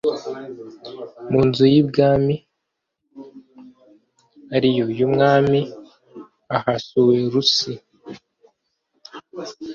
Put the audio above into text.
mu nzu y’ibwami, ari yo y’Umwami Ahasuwerusi